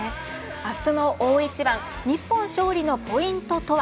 明日の大一番日本、勝利のポイントとは。